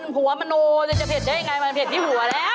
จะเผ็ดได้อย่างไรมันเผ็ดที่หัวแล้ว